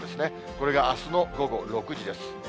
これがあすの午後６時です。